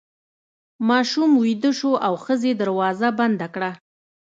ماشوم ویده شو او ښځې دروازه بنده کړه.